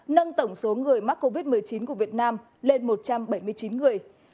nâng tổng số người mắc covid một mươi chín của việt nam lên một trăm bảy mươi chín người